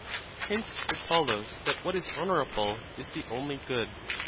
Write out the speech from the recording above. Hence it follows that what is honor able is the only good.